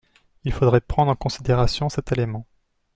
Il faudrait prendre en considération cet élément.